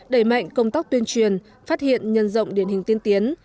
đẩy mạnh công tác tuyên truyền phát hiện nhân rộng điển hình tiên tiến